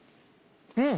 うん！